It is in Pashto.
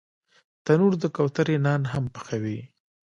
تنور د کوترې نان هم پخوي